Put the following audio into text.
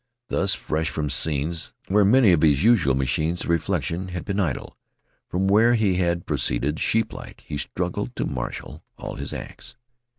Thus, fresh from scenes where many of his usual machines of reflection had been idle, from where he had proceeded sheeplike, he struggled to marshal all his acts.